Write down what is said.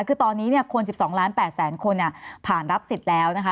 คือตอนนี้คน๑๒ล้าน๘แสนคนผ่านรับสิทธิ์แล้วนะคะ